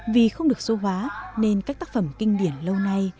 vì không được số hóa nên các tác phẩm kinh điển lâu nay